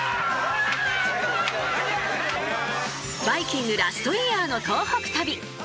「バイキング」ラストイヤーの東北旅。